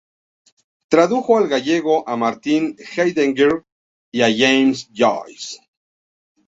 Tradujo al gallego a Martin Heidegger y a James Joyce.